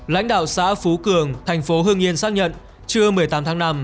lãnh đạo xã phú cường thành phố hương yên xác nhận trưa một mươi tám tháng năm